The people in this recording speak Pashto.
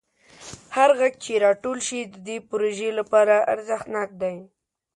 هر غږ چې راټول شي د دې پروژې لپاره ارزښتناک دی.